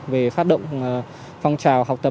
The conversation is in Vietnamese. về phát động phong trào học tập